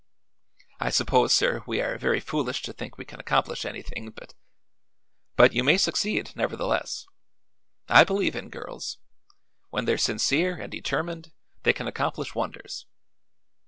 I suppose, sir, we are very foolish to think we can accomplish anything, but " "But you may succeed, nevertheless. I believe in girls. When they're sincere and determined they can accomplish wonders.